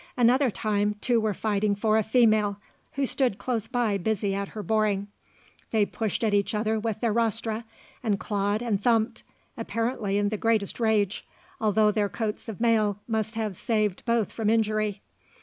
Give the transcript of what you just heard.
Another time, two were fighting for a female, who stood close by busy at her boring. They pushed at each other with their rostra, and clawed and thumped, apparently in the greatest rage, although their coats of mail must have saved both from injury.